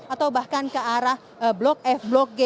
atau bahkan ke arah blok f blok g